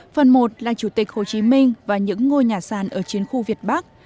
phần một là chủ tịch hồ chí minh và những ngôi nhà sàn ở chiến khu việt bắc